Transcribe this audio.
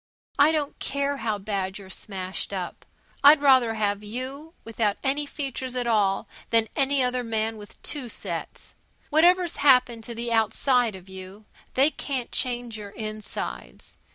I don't care how bad you're smashed up. I'd rather have you without any features at all than any other man with two sets. Whatever's happened to the outside of you, they can't change your insides.